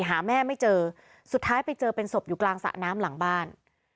หาแม่ไม่เจอสุดท้ายไปเจอเป็นศพอยู่กลางสระน้ำหลังบ้าน